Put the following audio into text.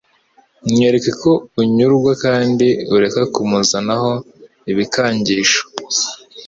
Mwereke ko unyurwa kandi ureke kumuzanaho ibikangisho